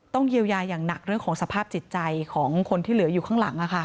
เยียวยาอย่างหนักเรื่องของสภาพจิตใจของคนที่เหลืออยู่ข้างหลัง